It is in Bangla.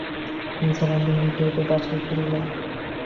নিসার আলি হেঁটে-হেঁটে বাসায় ফিরলেন।